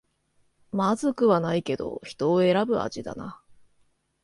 まずくはないけど人を選ぶ味だな